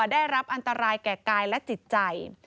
ได้รับอันตรายแก่กายและจิตใจ